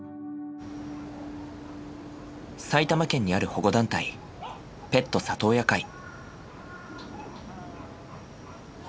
埼玉県にある保護団体ペット里親会。